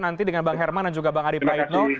nanti dengan bang herman dan juga bang adi praitno